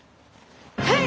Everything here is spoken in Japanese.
はい！